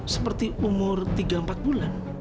seperti umur tiga empat bulan